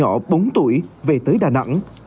một con trai nhỏ bốn tuổi về tới đà nẵng